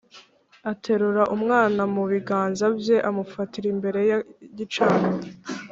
. Aterura umwana mu biganza bye, amufatira imbere y’igicaniro.